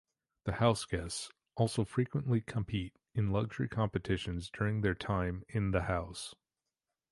The HouseGuests also frequently compete in luxury competitions during their time in the house.